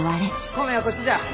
米はこっちじゃ。